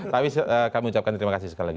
tapi kami ucapkan terima kasih sekali lagi